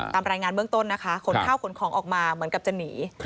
ตามรายงานเบื้องต้นนะคะขนข้าวขนของออกมาเหมือนกับจะหนี